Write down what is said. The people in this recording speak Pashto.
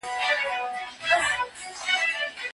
ټولنیز فکر د خلکو د تجربو پایله ده.